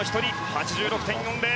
８６．４０。